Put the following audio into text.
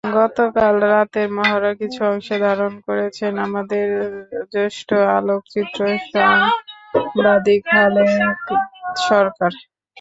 গতকাল রাতের মহড়ার কিছু অংশ ধারণ করেছেন আমাদের জ্যেষ্ঠ আলোকচিত্র সাংবাদিক খালেদ সরকার।